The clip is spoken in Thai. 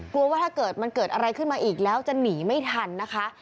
ว่าถ้าเกิดมันเกิดอะไรขึ้นมาอีกแล้วจะหนีไม่ทันนะคะ